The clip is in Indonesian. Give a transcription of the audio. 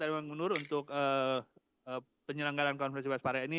terima kasih pak gubernur untuk penyelenggaraan konferensi pes paret ini